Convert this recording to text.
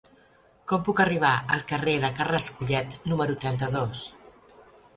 Com puc arribar al carrer de Carles Collet número trenta-dos?